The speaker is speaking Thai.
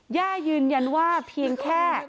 ย่ายืนยันว่าเพียงแค่